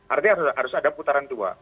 artinya harus ada putaran dua